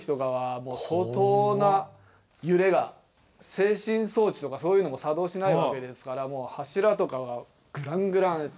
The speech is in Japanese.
制震装置とかそういうのも作動しないわけですから柱とかはぐらんぐらんです。